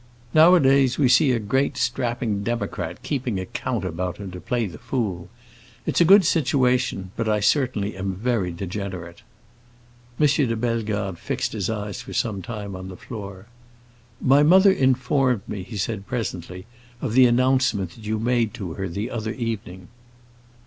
Nowadays we see a great strapping democrat keeping a count about him to play the fool. It's a good situation, but I certainly am very degenerate." M. de Bellegarde fixed his eyes for some time on the floor. "My mother informed me," he said presently, "of the announcement that you made to her the other evening."